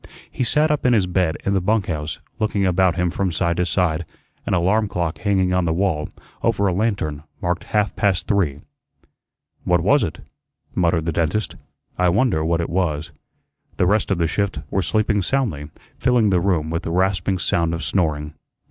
He sat up in his bed in the bunk house, looking about him from side to side; an alarm clock hanging on the wall, over a lantern, marked half past three. "What was it?" muttered the dentist. "I wonder what it was." The rest of the shift were sleeping soundly, filling the room with the rasping sound of snoring.